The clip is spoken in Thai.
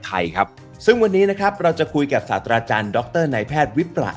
ไทยครับซึ่งวันนี้นะครับเราจะคุยกับศาสตราจารย์ดรนายแพทย์วิประ